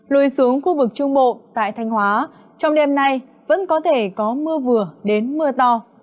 lùi xuống khu vực trung bộ tại thanh hóa trong đêm nay vẫn có thể có mưa vừa đến mưa to